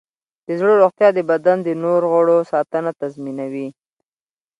د زړه روغتیا د بدن د نور غړو ساتنه تضمینوي.